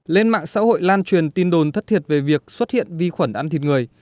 lên mạng xã hội lan truyền tin đồn thất thiệt về việc xuất hiện vi khuẩn ăn thịt người